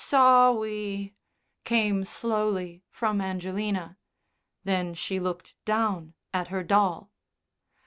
"Sowwy," came slowly from Angelina. Then she looked down at her doll.